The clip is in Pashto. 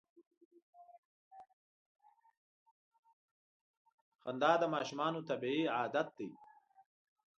• خندا د ماشومانو طبیعي عادت دی.